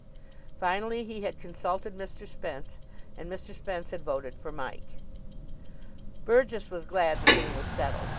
Finally he had consulted Mr. Spence, and Mr. Spence had voted for Mike. Burgess was glad the thing was settled.